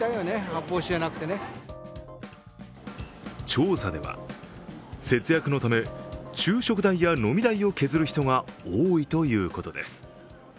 調査では、節約のため昼食代や飲み代を削る人が多いということです。